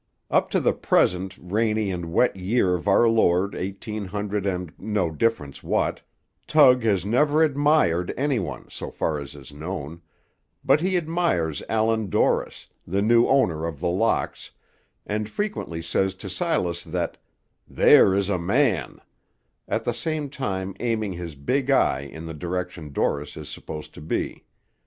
Up to the present rainy and wet year of our Lord eighteen hundred and no difference what, Tug has never admired anyone, so far as is known; but he admires Allan Dorris, the new owner of The Locks, and frequently says to Silas that "There is a man," at the same time aiming his big eye in the direction Dorris is supposed to be.